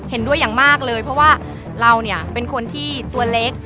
เห็นด้วยอย่างมากเลยเพราะว่าเราเนี่ยเป็นคนที่ตัวเล็ก